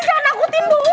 jangan nakutin bu